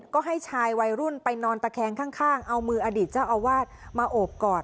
ก็ให้ชายวัยรุ่นไปนอนตะแคงข้างเอามืออดีตเจ้าอาวาสมาโอบกอด